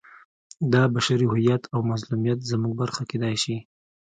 دا بشري هویت او مظلومیت زموږ برخه کېدای شي.